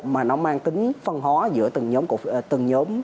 mà nó mang tính phân hóa giữa từng nhóm